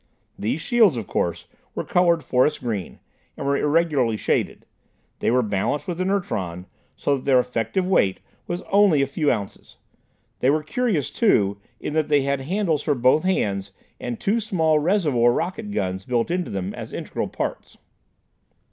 These shields, of course, were colored forest green, and were irregularly shaded; they were balanced with inertron, so that their effective weight was only a few ounces. They were curious too, in that they had handles for both hands, and two small reservoir rocket guns built into them as integral parts.